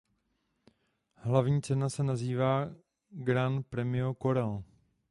Hlavní cena se nazývá "Gran Premio Coral".